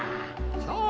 そう！